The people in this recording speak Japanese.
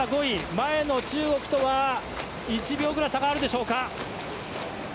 前の中国とは１秒ぐらい差があるでしょうか。